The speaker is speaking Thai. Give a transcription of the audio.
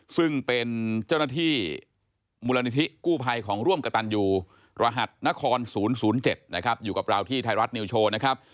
ซึ่งเป็นเจ้าหน้าที่มูลนิธิกู้ภัยของร่วมกระตันยูรหัสนคร๐๐๗นะครับอยู่กับเราที่ไทยรัฐนิวโชว์นะครับ